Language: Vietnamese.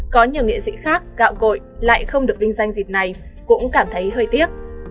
có nhiều nghệ sĩ khác gạo gội lại không được vinh danh dịp này cũng cảm thấy hơi tiếc